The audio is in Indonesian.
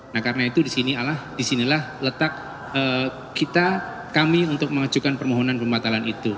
nah karena itu disinilah letak kita kami untuk mengajukan permohonan pembatalan itu